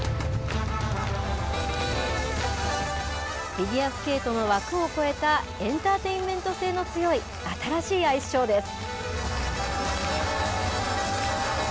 フィギュアスケートの枠を超えた、エンターテインメント性の強い新しいアイスショーです。